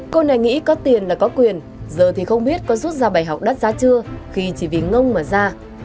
cô này nghĩ có tiền là có quyền giờ thì không biết có rút ra bài học đắt giá chưa khi chỉ vì ngông mà ra